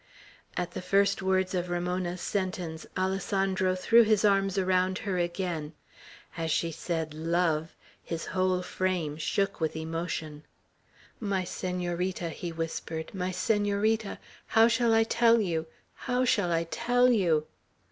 At the first words of Ramona's sentence, Alessandro threw his arms around her again. As she said "love," his whole frame shook with emotion. "My Senorita!" he whispered, "my Senorita! how shall I tell you! How shall I tell you!"